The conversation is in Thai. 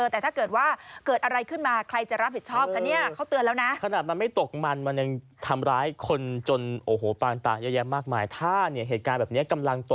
แต่ถ้าเกิดว่าเกิดอะไรขึ้นมาใครจะรับผิดชอบกันเนี่ย